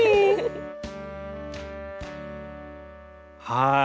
はい。